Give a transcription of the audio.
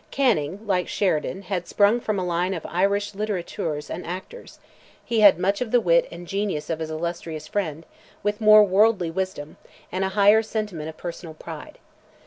Canning, like Sheridan, had sprung from a line of Irish literateurs and actors; he had much of the wit and genius of his illustrious friend, with more worldly wisdom, and a higher sentiment of personal pride.